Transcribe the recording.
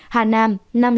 hà nam năm trăm ba mươi